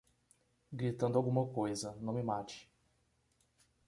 Gritando alguma coisa, não me mate